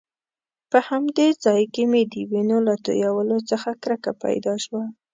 په همدې ځای کې مې د وینو له تويولو څخه کرکه پیدا شوه.